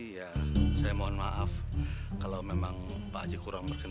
ya saya mohon maaf kalau memang pak haji kurang berkenan